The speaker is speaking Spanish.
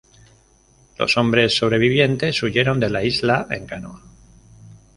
Los hombres sobrevivientes huyeron de la isla en canoa.